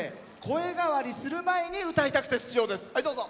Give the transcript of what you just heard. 声変わりする前に歌いたくて出場です。